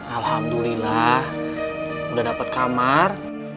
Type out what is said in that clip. alhamdulillah udah dapet kamar